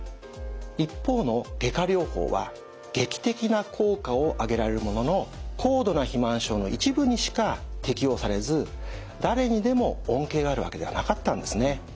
一方の外科療法は劇的な効果を上げられるものの高度な肥満症の一部にしか適用されず誰にでも恩恵があるわけではなかったんですね。